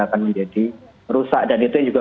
akan menjadi rusak dan itu yang juga